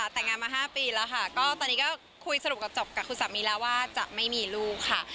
แต่งงานมา๕ปีแล้วค่ะก็ตอนนี้ก็คุยสรุปกับจบกับคุณสามีแล้วว่าจะไม่มีลูกค่ะ